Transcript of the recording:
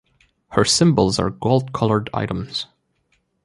Her symbols are gold colored items.